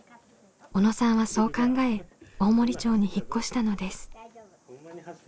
小野さんはそう考え大森町に引っ越したのです。